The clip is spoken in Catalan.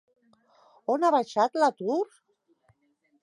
On ha baixat l'atur?